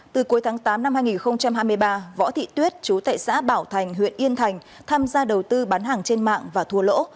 từ cuối tháng tám năm hai nghìn hai mươi ba võ thị tuyết chú tại xã bảo thành huyện yên thành tham gia đầu tư bán hàng trên mạng và thua lỗ